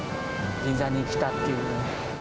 銀座に生きたっていうね。